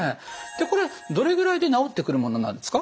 これどれぐらいで治ってくるものなんですか？